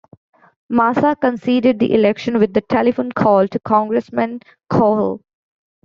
Massa conceded the election with a telephone call to Congressman Kuhl.